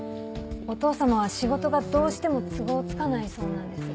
お父様は仕事がどうしても都合つかないそうなんです。